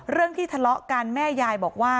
เรื่องที่ทะเลาะกันแม่ยายบอกว่า